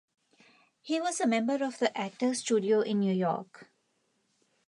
He was a member of the Actors Studio in New York.